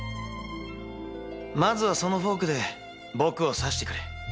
まずはそのフォークで僕を刺してくれ。